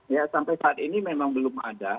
ya sampai saat ini memang belum ada